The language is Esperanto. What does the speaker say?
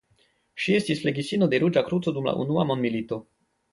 Ŝi estis flegistino de Ruĝa Kruco dum la Unua Mondmilito.